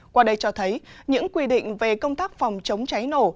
qua đây cho thấy những quy định về công tác phòng chống cháy nổ